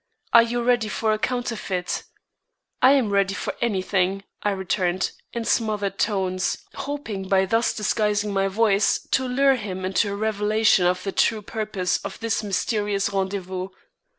"Are you ready for a counterfeit?" "I am ready for any thing," I returned, in smothered tones, hoping by thus disguising my voice, to lure him into a revelation of the true purpose of this mysterious rendezvous.